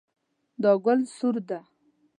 دا ګل سور ده